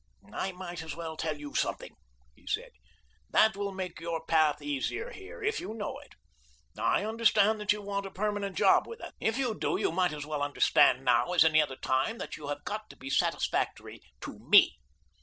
"I might as well tell you something," he said, "that will make your path easier here, if you know it. I understand that you want a permanent job with us. If you do you might as well understand now as any other time that you have got to be satisfactory to me.